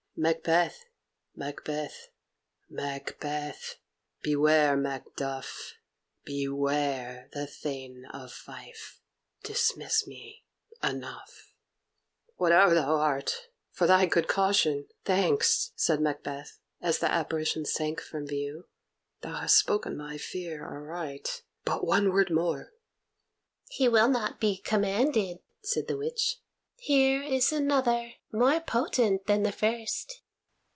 "Macbeth! Macbeth! Macbeth! beware Macduff; Beware the Thane of Fife! Dismiss me. Enough." "Whate'er thou art, for thy good caution, thanks," said Macbeth, as the Apparition sank from view. "Thou hast spoken my fear aright; but one word more " "He will not be commanded," said the witch. "Here is another, more potent than the first."